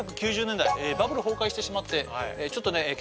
１９９０年代バブル崩壊してしまってちょっとね